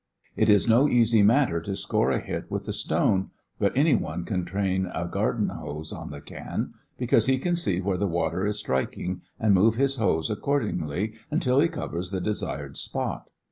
It is no easy matter to score a hit with the stone; but any one can train a garden hose on the can, because he can see where the water is striking and move his hose accordingly until he covers the desired spot.